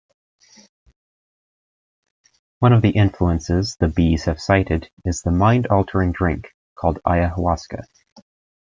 One of the influences the Bees have cited is the mind-altering drink called ayahuasca.